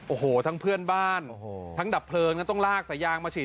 โอ้โหทั้งเพื่อนบ้านทั้งดับเพลิงต้องลากสายางมาฉีด